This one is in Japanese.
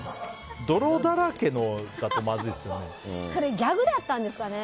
それギャグだったんですかね。